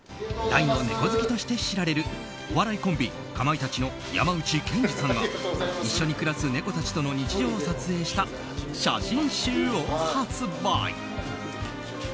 大の猫好きとして知られるお笑いコンビかまいたちの山内健司さんが一緒に暮らす猫たちとの日常を撮影した写真集を発売。